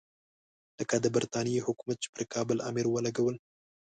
لکه د برټانیې حکومت چې پر کابل امیر ولګول.